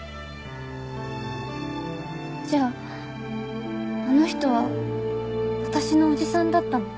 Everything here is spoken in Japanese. じゃああの人は私の叔父さんだったの？